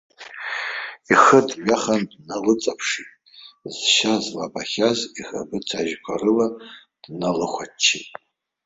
Ихы дҩахан дналыҵаԥшит, зшьа злабахьаз ихаԥыц ажьқәа рыла дналыхәаччеит.